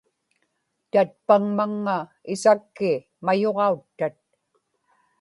tatpaŋmaŋŋa isakki mayuġauttat